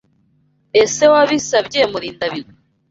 Ese Wabisabye Murindabigwi?